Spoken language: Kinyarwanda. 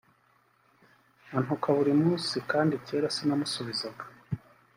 antuka buri munsi kandi kera sinamuzubizaga